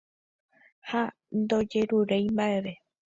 Ha ndojeruréi mba'eve